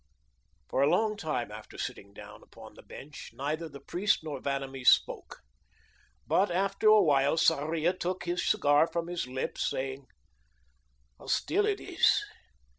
For a long time after sitting down upon the bench, neither the priest nor Vanamee spoke. But after a while Sarria took his cigar from his lips, saying: "How still it is!